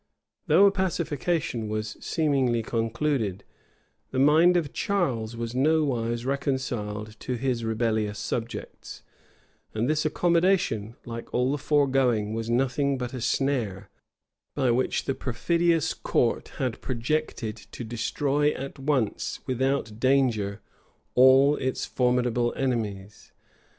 Though a pacification was seemingly concluded, the mind of Charles was nowise reconciled to his rebellious subjects, and this accommodation, like all the foregoing, was nothing but a snare, by which the perfidious court had projected to destroy at once, without danger, all its formidable enemies.